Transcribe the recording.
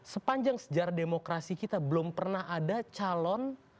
sepanjang sejarah demokrasi kita belum pernah ada calon